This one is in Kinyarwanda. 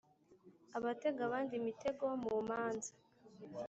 abatega abandi imitego mu manza,